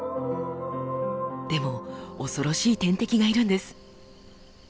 でも恐ろしい天敵がいるんです。